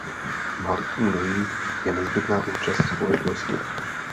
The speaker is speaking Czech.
Má-li k tomu dojít, je nezbytná účast společnosti.